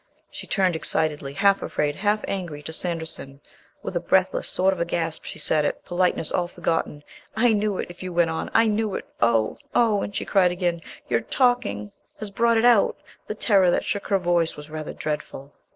She turned excitedly, half afraid, half angry, to Sanderson. With a breathless sort of gasp she said it, politeness all forgotten. "I knew it ... if you went on. I knew it. Oh! Oh!" And she cried again, "Your talking has brought it out!" The terror that shook her voice was rather dreadful.